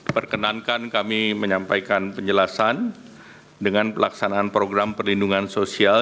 perkenankan kami menyampaikan penjelasan dengan pelaksanaan program perlindungan sosial